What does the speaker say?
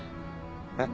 えっ？